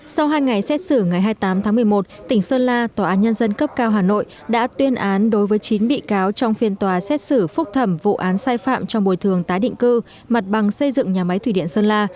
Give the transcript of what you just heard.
sau hai ngày xét xử ngày hai mươi tám tháng một mươi một tỉnh sơn la tòa án nhân dân cấp cao hà nội đã tuyên án đối với chín bị cáo trong phiên tòa xét xử phúc thẩm vụ án sai phạm trong bồi thường tái định cư mặt bằng xây dựng nhà máy thủy điện sơn la